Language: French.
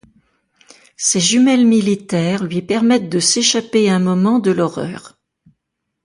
Ses jumelles militaires lui permettent de s'échapper un moment de l'horreur.